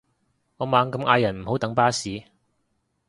我猛咁嗌人唔好等巴士